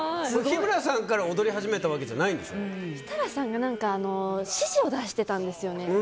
日村さんから踊り始めたわけじゃ設楽さんが指示を出してたんですよね。